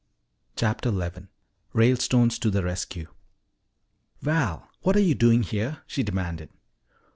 CHAPTER XI RALESTONES TO THE RESCUE! "Val! What are you doing here?" she demanded.